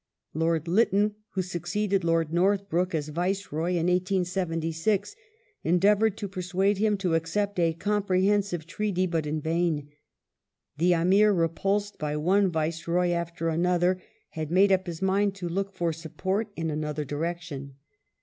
Lord Lytton, who succeeded 1876 1880 Loi d Northbrook as Viceroy in 1876, endeavoured to persuade him to accept a comprehensive Treaty, but in vain. The Amir, repulsed by one Viceroy after another, had made up his mind to look for support in another direction.